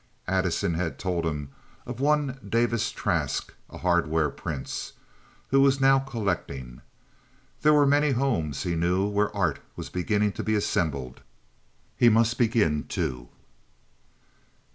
Addison had told him of one Davis Trask, a hardware prince, who was now collecting. There were many homes, he knew where art was beginning to be assembled. He must begin, too.